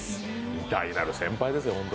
偉大なる先輩ですよ。